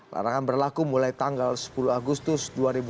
larangan berlaku mulai tanggal sepuluh agustus dua ribu dua puluh